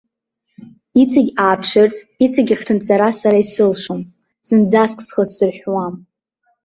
Иҵегь ааԥшырц иҵегь ахҭынҵара сара исылшом, зынӡаск схы сзырҳәуам.